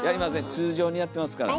通常にやってますからね。